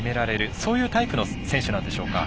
そういうタイプの選手なんでしょうか。